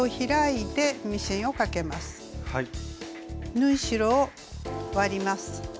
縫い代を割ります。